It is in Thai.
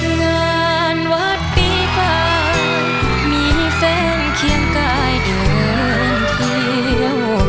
งานวัดปีฟ้ามีแฟนเคียงกายเดินเที่ยว